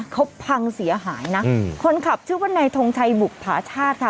เขาพังเสียหายนะคนขับชื่อว่านายทงชัยบุภาชาติค่ะ